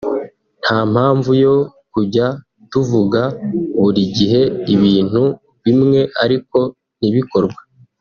nta mpamvu yo kujya tuvuga buri gihe ibintu bimwe ariko ntibikorwe